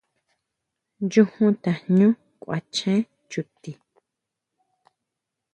Nyujun tajñú kuachen chuti.